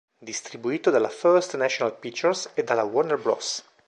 Distribuito dalla First National Pictures e dalla Warner Bros.